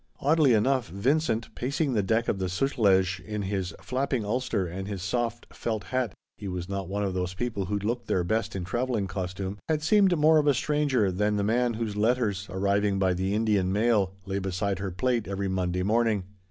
Oddly enough, Vincent, pacing the deck of the Suth) in his flapping ulster and his soft felt hat (he was not one of those people who looked their best in travelling costume), had seemed more of a stranger than the man whose letters, arriving by the Indian mail, lay beside her plate every Monday morning.